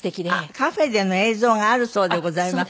カフェでの映像があるそうでございます。